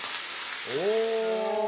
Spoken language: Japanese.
お！